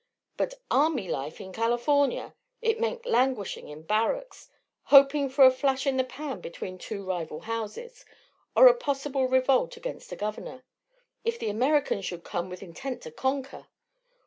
But army life in California! It meant languishing in barracks, hoping for a flash in the pan between two rival houses, or a possible revolt against a governor. If the Americans should come with intent to conquer!